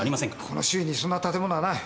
この周囲にそんな建物はない。